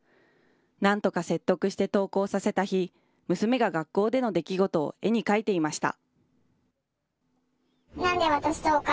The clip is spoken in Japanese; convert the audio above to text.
なんとか説得して登校させた日、娘が学校での出来事を絵に描いていました。